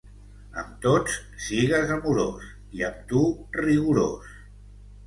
Amb tots sigues amorós i amb tu rigorós.